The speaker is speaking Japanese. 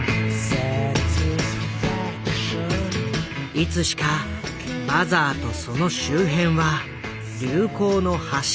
いつしか「バザー」とその周辺は流行の発信地になる。